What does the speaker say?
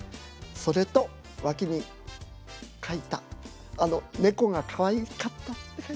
それと脇に描いたあの猫がかわいかったって。